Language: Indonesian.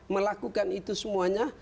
melakukan itu semuanya